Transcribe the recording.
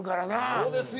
そうですよ。